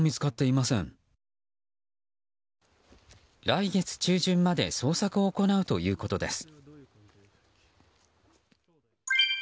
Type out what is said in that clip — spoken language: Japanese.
来月中旬まで捜索を行うということです。